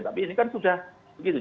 tapi ini kan sudah begitu